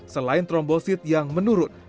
selain trombosit yang menurun